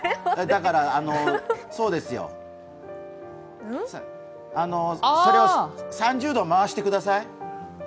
だから、そうですよ、それを３０度回してください。